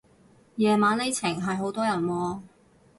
夜晚呢程係好多人喎